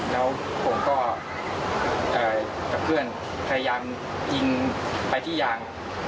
แล้วผมก็กับเพื่อนพยายามยิงไปที่ยาง